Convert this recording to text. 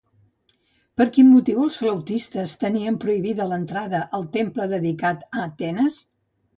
Per quin motiu els flautistes tenien prohibida l'entrada al temple dedicat a Tenes?